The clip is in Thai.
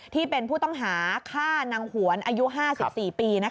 ที่เป็นผู้ต้องหาฆ่านางหวนอายุ๕๔ปี